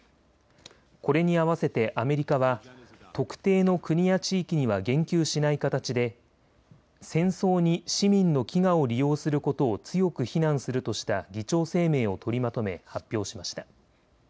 これに合わせてアメリカは特定の国や地域には言及しない形で戦争に市民の飢餓を利用することを強く非難するとした議長声明を取りまとめ発表しました。